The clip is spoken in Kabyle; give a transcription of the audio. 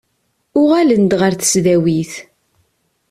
Uɣalen-d ɣer tesdawit.